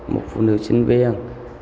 một phụ nữ sinh viên